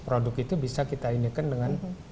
produk itu bisa kita inikan dengan